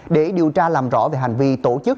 để điều tra làm rõ về hành vi tổ chức